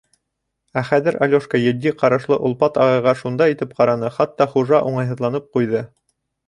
Ә хәҙер Алёшка етди ҡарашлы олпат ағайға шундай итеп ҡараны, хатта хужа уңайһыҙланып ҡуйҙы.